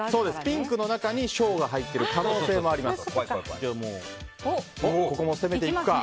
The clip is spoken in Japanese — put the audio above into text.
ピンクの中に小が入っている可能性もあります。